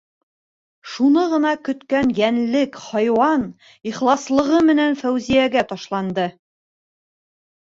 Шуны ғына көткән йәнлек хайуан ихласлығы менән Фәүзиәгә ташланды.